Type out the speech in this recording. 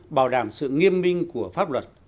bảo đảm sự nghiêm minh của pháp luật